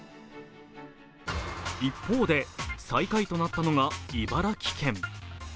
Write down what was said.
一方で、最下位となったのが茨城県。